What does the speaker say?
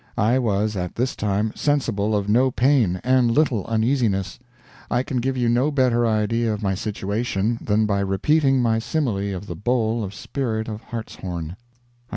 I was at this time sensible of no pain, and little uneasiness; I can give you no better idea of my situation than by repeating my simile of the bowl of spirit of hartshorn.